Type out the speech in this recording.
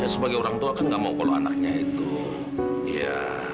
sebagai orang tua kan nggak mau kalau anaknya itu ya